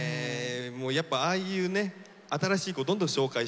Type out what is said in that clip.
やっぱああいうね新しい子どんどん紹介していきたいですね。